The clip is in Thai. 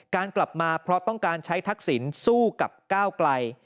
กลับมาเพราะต้องการใช้ทักษิณสู้กับก้าวไกล